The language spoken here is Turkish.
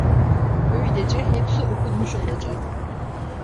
Böylece hepsi okunmuş olacak.